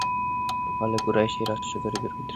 ফলে কুরাইশের অশ্বারোহী যোদ্ধারা ভয় পেয়ে গেল।